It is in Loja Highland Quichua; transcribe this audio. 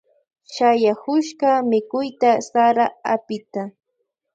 Shayakushka mikuyta sara apita.